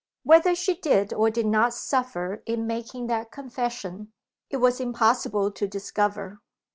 Whether she did or did not suffer in making that confession, it was impossible to discover.